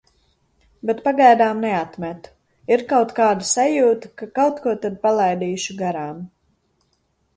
Bet pagaidām neatmetu, ir kaut kāda sajūta, ka kaut ko tad palaidīšu garām.